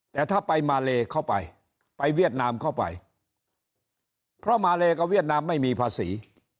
แต่ถ้าไปมาเลเข้าไปไปเวียดนามเข้าไปเพราะมาเลกับเวียดนามไม่มีภาษี